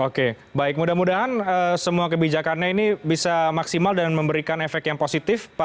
oke baik mudah mudahan semua kebijakannya ini bisa maksimal dan memberikan efek yang positif pak